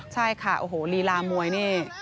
ใช่ค่ะโอ้โหลีลามวยนี่